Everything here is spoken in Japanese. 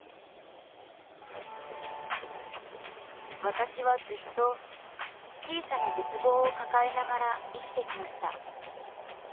私はずっと小さな絶望を抱えながら生きてきました。